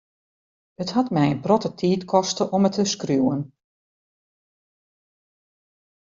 It hat my in protte tiid koste om it te skriuwen.